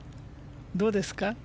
どうですか。